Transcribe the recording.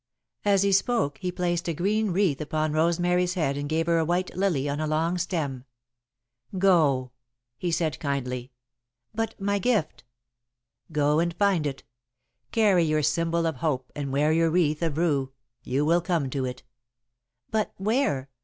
As he spoke, he placed a green wreath upon Rosemary's head and gave her a white lily, on a long stem. "Go," he said, kindly. "But my gift?" "Go and find it. Carry your symbol of Hope and wear your wreath of rue. You will come to it." "But where?